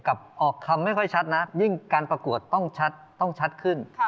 ออกคำไม่ค่อยชัดนะยิ่งการประกวดต้องชัดต้องชัดขึ้น